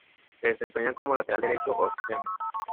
Se desempeña como lateral derecho o extremo.